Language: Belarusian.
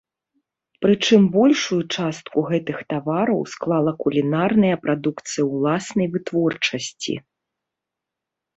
Прычым большую частку гэтых тавараў склала кулінарная прадукцыя ўласнай вытворчасці.